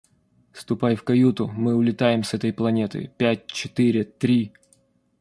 Ступай в каюту, мы улетаем с этой планеты. Пять-четыре-три...